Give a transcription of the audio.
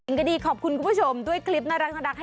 อีกก็ดีขอบคุณคุณผู้ชมด้วยคลิปน่ารักให้คุณผู้ชมเห็นว่า